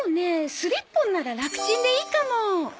スリッポンならラクチンでいいかも。